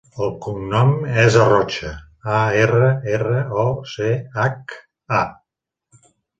El cognom és Arrocha: a, erra, erra, o, ce, hac, a.